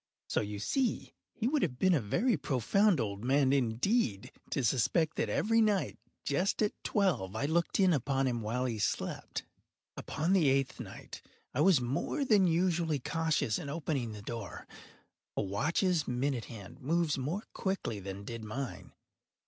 So you see he would have been a very profound old man, indeed, to suspect that every night, just at twelve, I looked in upon him while he slept. Upon the eighth night I was more than usually cautious in opening the door. A watch’s minute hand moves more quickly than did mine.